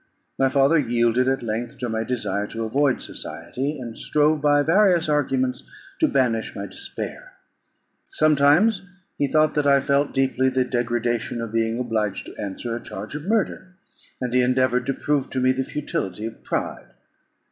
My father yielded at length to my desire to avoid society, and strove by various arguments to banish my despair. Sometimes he thought that I felt deeply the degradation of being obliged to answer a charge of murder, and he endeavoured to prove to me the futility of pride.